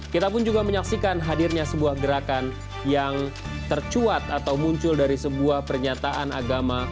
kita pun juga menyaksikan hadirnya sebuah gerakan yang tercuat atau muncul dari sebuah pernyataan agama